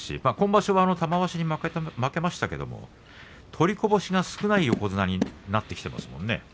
今場所は玉鷲に負けましたが取りこぼしが少ない横綱になってきていますね。